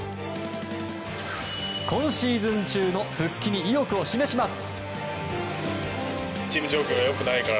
今シーズン中の復帰に意欲を示します。